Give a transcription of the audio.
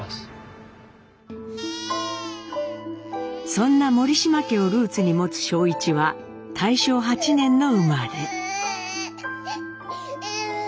そんな森島家をルーツに持つ正一は大正８年の生まれ。